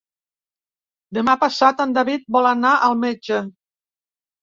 Demà passat en David vol anar al metge.